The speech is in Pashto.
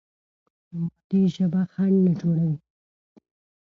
مادي ژبه خنډ نه جوړوي.